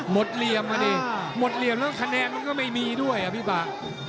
เหลี่ยมอ่ะดิหมดเหลี่ยมแล้วคะแนนมันก็ไม่มีด้วยอ่ะพี่ป่า